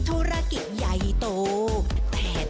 โปรดติดตามต่อไป